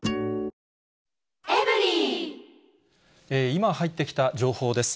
今入ってきた情報です。